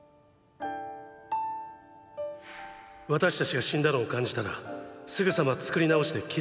私たちが死んだのを感じたらすぐさま作り直して切り離して下さい。